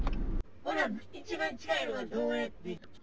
ほな一番近いのはどうやって行く？